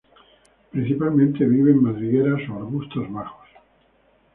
Principalmente vive en madrigueras o arbustos bajos.